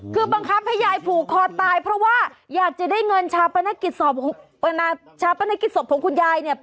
คือบังคับให้ยายผูกคอตายเพราะว่าอยากจะได้เงินชาปนกิจศพชาปนกิจศพของคุณยายเนี่ย